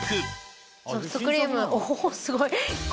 ソフトクリーム、おー、すごい。